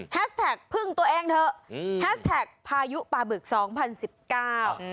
แท็กพึ่งตัวเองเถอะอืมแฮชแท็กพายุปลาบึกสองพันสิบเก้า